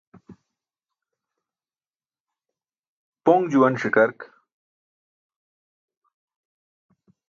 Poṅ juwan ṣikark.